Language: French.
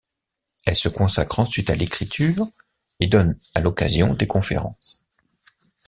Elle se consacre ensuite à l'écriture et donne à l'occasion des conférences.